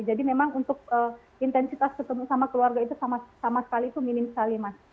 jadi memang untuk intensitas ketemu sama keluarga itu sama sekali itu minim sekali mas